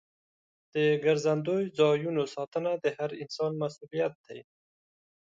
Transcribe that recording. د ګرځندوی ځایونو ساتنه د هر انسان مسؤلیت دی.